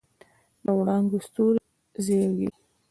د وړانګو ستوري زیږي